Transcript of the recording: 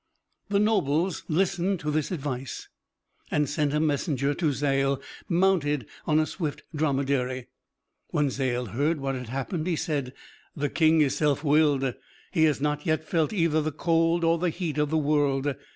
The nobles listened to this advice, and sent a messenger to Zal, mounted on a swift dromedary. When Zal heard what had happened, he said: "The King is self willed. He has not yet felt either the cold or the heat of the world.